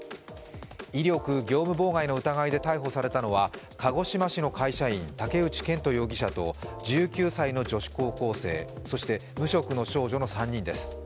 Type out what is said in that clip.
威力業務妨害の疑いで逮捕されたのは鹿児島市の会社員、竹内健人容疑者と１９歳の女子高校生、そして無職の少女の３人です。